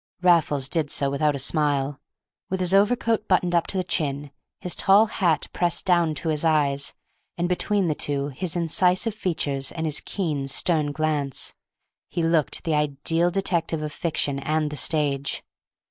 Raffles did so without a smile; with his overcoat buttoned up to the chin, his tall hat pressed down to his eyes, and between the two his incisive features and his keen, stern glance, he looked the ideal detective of fiction and the stage.